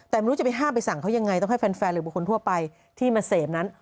แต่ไม่รู้จะไปห้ามไปสั่งเขายังไงต้องให้แฟนหรือบุคคลทั่วไปที่มาเสพนั้น